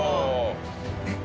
えっ！